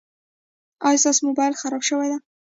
ایا ستا مبایل خراب شوی ده؟